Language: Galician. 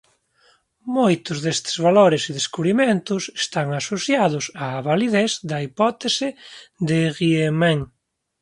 Moitos destes valores e descubrimentos están asociados á validez da hipótese de Riemann.